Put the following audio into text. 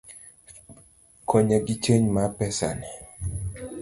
Konya gi chenj mar pesani